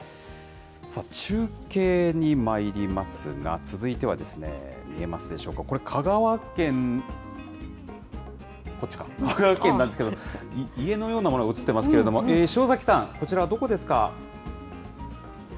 中継にまいりますが、続いては、見えますでしょうか、これ香川県、こっちか、香川県なんですけれども、家のようなものが映ってますけれども、塩崎さん、こちらはどこですか。